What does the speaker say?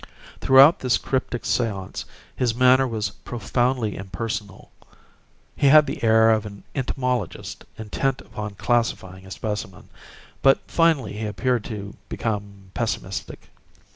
Throughout this cryptic seance his manner was profoundly impersonal; he had the air of an entomologist intent upon classifying a specimen, but finally he appeared to become pessimistic.